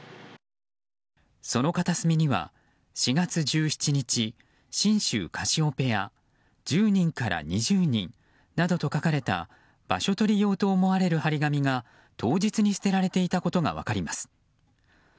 その片隅には４月１７日「信州カシオペア」１０人から２０人などと書かれた場所取り用と思われる貼り紙が当日に捨てられていたことが分かります。